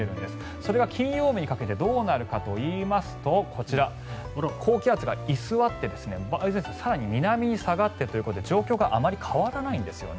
それが金曜日にかけてどうなるかといいますとこちら、高気圧が居座って梅雨前線が更に南に下がってということで状況があまり変わらないんですよね。